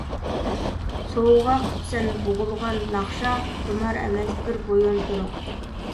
سوۋغا قىپسەن بوغۇلغان ناخشا، تۇمار ئەمەس، بىر بويۇنتۇرۇق.